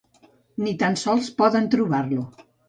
Ni tan sols poden trobar-lo.